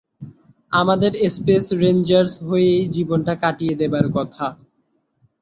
আমাদের space rangers হয়েই জীবনটা কাটিয়ে দেবার কথা।